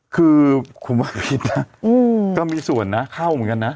คือคงว่าผิดนะเนี่ยก็มีส่วนค่ิวเหมือนกันน่ะ